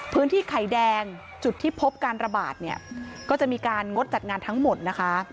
พื้นที่ไข่แดงจุดที่พบการระบาดก็จะมีการงดจัดงานทั้งหมดนะคะ